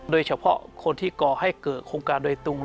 โดยเฉพาะคนที่ก่อให้เกิดโครงการโดยตรง